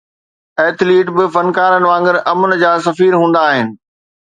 Athlete به فنڪارن وانگر امن جا سفير هوندا آهن.